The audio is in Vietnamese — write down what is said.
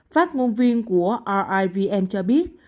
phát ngôn viên của rivm cho biết